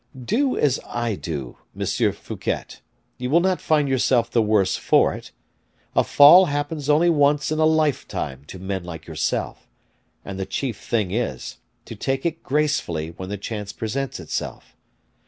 Do as I do, Monsieur Fouquet, you will not find yourself the worse for it; a fall happens only once in a lifetime to men like yourself, and the chief thing is, to take it gracefully when the chance presents itself.